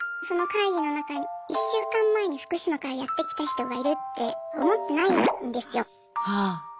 その会議の中に１週間前に福島からやって来た人がいるって思ってないんですよ。